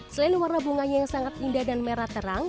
selain warna bunganya yang sangat indah dan merah terang